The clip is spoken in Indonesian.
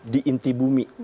di inti bumi